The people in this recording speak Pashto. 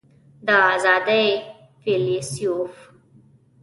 د آزادۍ فیلیسوف